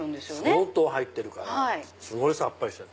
相当入ってるからすごいさっぱりしてる。